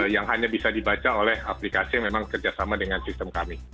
yang hanya bisa dibaca oleh aplikasi yang memang kerjasama dengan sistem kami